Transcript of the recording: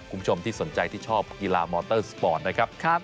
คุณผู้ชมที่สนใจที่ชอบกีฬามอเตอร์สปอร์ตนะครับ